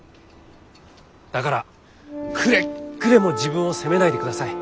だからくれぐれも自分を責めないでください。